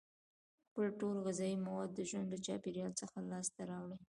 خپل ټول غذایي مواد د ژوند له چاپیریال څخه لاس ته راوړي.